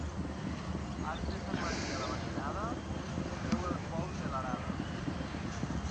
Arc de Sant Martí a la matinada, treu els bous de l'arada.